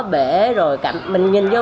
bể rồi mình nhìn vô